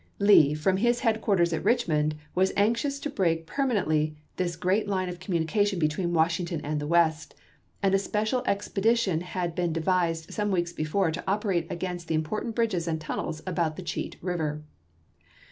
Lee from his head quarters at Richmond was anxious to break per manently this great line of communication between Washington and the West, and a special expedi tion had been devised some weeks before to operate against the important bridges and tunnels about the Cheat River.